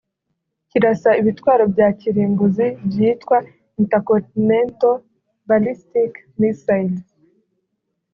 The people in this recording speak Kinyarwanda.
cyirasa ibitwaro bya kirimbuzi byitwa Intercontinental ballistic missiles